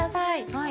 はい。